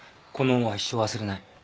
この恩は一生忘れない。